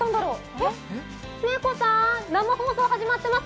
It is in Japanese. えっ、猫ちゃん、生放送始まってます。